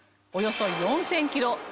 およそ４０００キロ